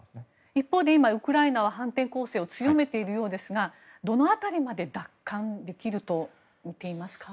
一方でウクライナは反転攻勢を強めているようですがどの辺りまで奪還できるとみていますか？